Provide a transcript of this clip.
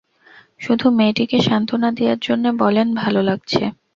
তবু মেয়েটিকে সান্তনা দেয়ার জন্যে বলেন, ভালো লাগছে।